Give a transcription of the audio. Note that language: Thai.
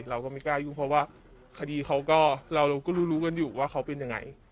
เราก็ไม่กล้ายุ่งเพราะว่าคดีเขาก็เราก็รู้รู้กันอยู่ว่าเขาเป็นยังไง